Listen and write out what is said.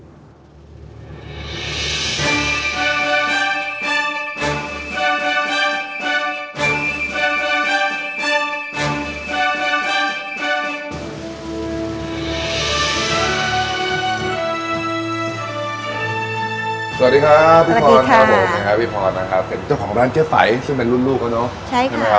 สวัสดีครับพี่พรนี่คือพี่พรเจ้าของร้านเจ๊ฝ่ายซึ่งเป็นรุ่นลูกน่ะเนอะ